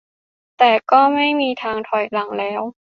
แต่ก็ไม่มีทางถอยหลังแล้ว